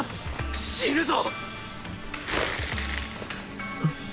死ぬぞ！